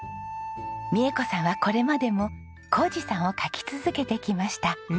美恵子さんはこれまでも宏二さんを描き続けてきました。